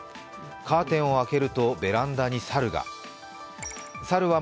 カーテンを開けると、ベランダに猿が。